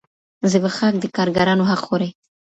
زبېښاک د کارګرانو حق خوري.